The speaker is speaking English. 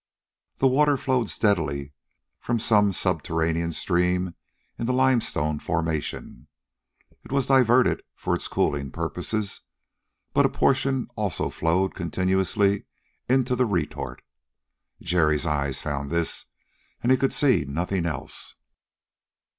The water flowed steadily from some subterranean stream in the limestone formation. It was diverted for its cooling purposes, but a portion also flowed continuously into the retort. Jerry's eyes found this, and he could see nothing else.